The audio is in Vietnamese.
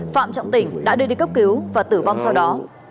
phạm trọng tỉnh đã đưa đi cấp cứu và tử vong sau đó